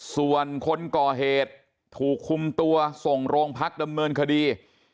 ส่วนคนก่อเหตุถูกคุมตัวส่งโรงพักดำเนินคดี